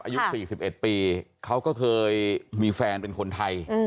อายุสี่สิบเอ็ดปีเค้าก็เคยมีแฟนเป็นคนไทยอืม